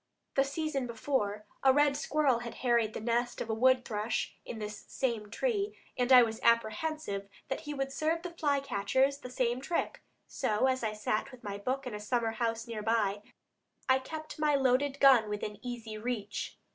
The season before, a red squirrel had harried the nest of a wood thrush in this same tree, and I was apprehensive that he would serve the fly catchers the same trick; so, as I sat with my book in a summer house near by, I kept my loaded gun within easy reach.